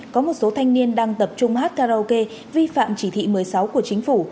có một số thanh niên đang tập trung hát karaoke vi phạm chỉ thị một mươi sáu của chính phủ